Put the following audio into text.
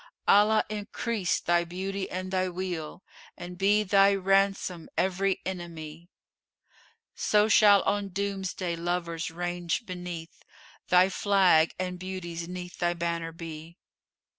Allah increase thy beauty and thy weal; * And be thy ransom every enemy! So shall on Doomsday lovers range beneath * Thy flag, and beauties 'neath thy banner be."